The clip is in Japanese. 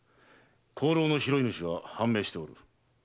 香炉の拾い主は判明しておる。